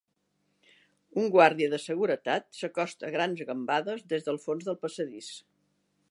Un guàrdia de seguretat s'acosta a grans gambades des del fons del passadís.